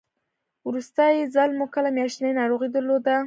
وروستی ځل مو کله میاشتنۍ ناروغي درلوده؟